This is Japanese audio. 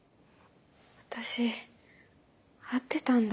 私会ってたんだ。